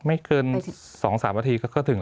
มีความรู้สึกว่ามีความรู้สึกว่า